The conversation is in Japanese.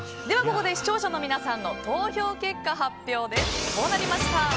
ここで視聴者の皆さんの投票結果、こうなりました。